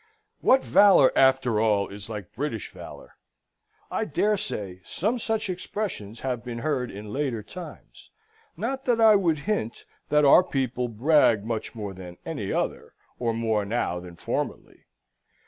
What valour, after all, is like British valour? I dare say some such expressions have been heard in later times. Not that I would hint that our people brag much more than any other, or more now than formerly.